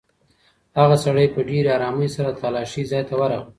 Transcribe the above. هغه سړی په ډېرې ارامۍ سره د تالاشۍ ځای ته ورغی.